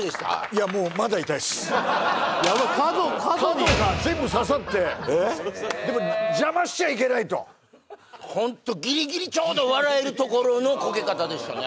いやもうまだ痛いっすでも邪魔しちゃいけないとホントギリギリちょうど笑えるところのコケ方でしたね